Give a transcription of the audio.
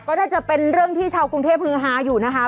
ก็น่าจะเป็นเรื่องที่ชาวกรุงเทพฮือฮาอยู่นะคะ